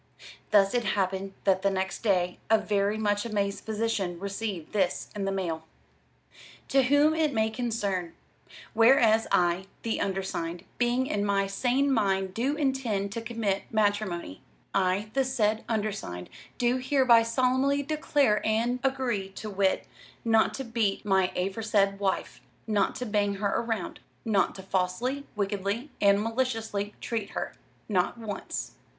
Thus it happened that the next day a very much amazed physician received this in his mail: "To whom it may concern: "Whereas, I, the Undersigned, being in my sane Mind do intend to commit Matremony, I, the said Undersigned do hereby solumly declare and agree, to wit, not to Beat my aforesaid Wife. Not to Bang her round. Not to Falsely, Wickedly and Maliciously treat her. Not once.